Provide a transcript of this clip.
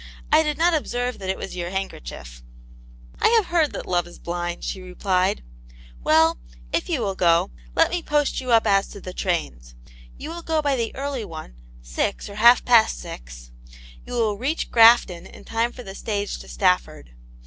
" I did not observe that it was your handkerchief." " I have heard that love is blind," she repHed;^ " Well, if you will go, let me post you up as to the trains. You will go by the early one, six or half«f past six ; you will reach Grafton in time for the stage to Stafford.